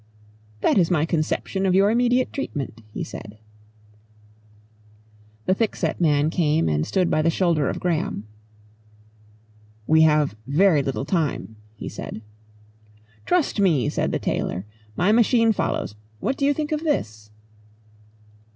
"That is my conception of your immediate treatment," he said. The thickset man came and stood by the shoulder of Graham. "We have very little time," he said. "Trust me," said the tailor. "My machine follows. What do you think of this?"